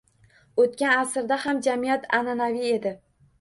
O‘tgan asrda ham jamiyat an'anaviy edi